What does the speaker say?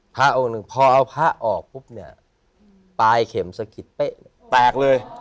พระองค์หนึ่งพอเอาพระออกปุ๊บเนี่ยปลายเข็มสะกิดเป๊ะแตกเลย